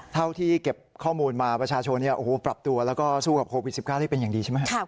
เท่าที่เก็บข้อมูลมาประชาชนปรับตัวแล้วก็สู้กับโควิด๑๙ได้เป็นอย่างดีใช่ไหม